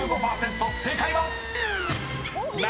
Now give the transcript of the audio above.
正解は⁉］